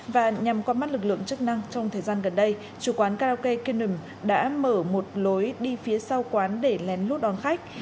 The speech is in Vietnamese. và nhằm qua mắt lực lượng chức năng trong thời gian gần đây chủ quán karaoke kinon đã mở một lối đi phía sau quán để lén lút đón khách